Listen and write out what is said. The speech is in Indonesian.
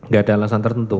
gak ada alasan tertentu